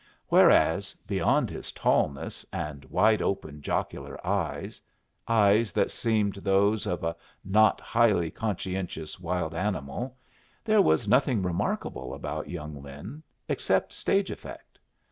Whereas, beyond his tallness, and wide open, jocular eyes, eyes that seemed those of a not highly conscientious wild animal, there was nothing remarkable about young Lin except stage effect.